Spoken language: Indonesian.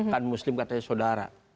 kan muslim katanya saudara